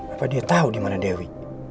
apa dia tau dimana dewi